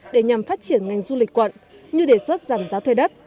để nhằm phát triển ngành du lịch quận như đề xuất giảm giá thuê đất